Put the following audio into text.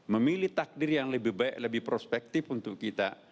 memilih takdir yang lebih baik lebih prospektif untuk kita